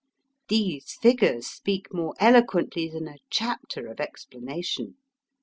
These figures speak more eloquently than a chapter of ex planation.